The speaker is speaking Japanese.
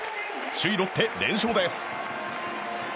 首位ロッテ、連勝です。